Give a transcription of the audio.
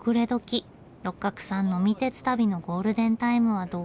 六角さん呑み鉄旅のゴールデンタイムはどうしましょう。